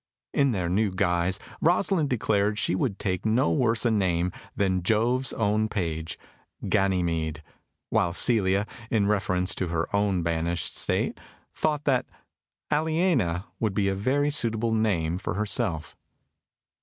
] In their new guise Rosalind declared she would take no worse a name than Jove's own page Ganymede; while Celia, in reference to her own banished state, thought that Aliena would be a very suitable name for herself.